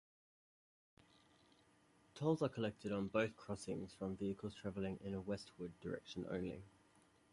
Tolls are collected on both crossings from vehicles travelling in a westward direction only.